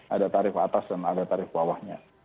ada tarif atas dan ada tarif bawahnya